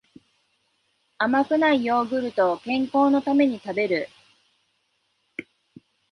甘くないヨーグルトを健康のために食べる